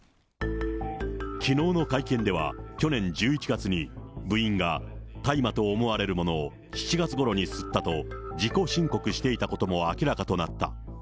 きのうの会見では、去年１１月に部員が大麻と思われるものを７月ごろに吸ったと、自己申告していたことも明らかとなった。